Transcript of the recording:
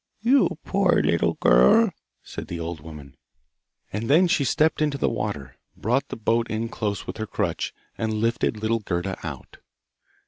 'You poor little girl!' said the old woman. And then she stepped into the water, brought the boat in close with her crutch, and lifted little Gerda out.